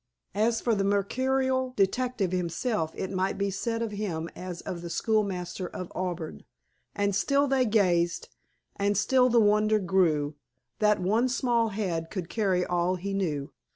As for the mercurial detective himself, it might be said of him as of the school master of Auburn: _And still they gazed, and still the wonder grew, That one small head could carry all he knew.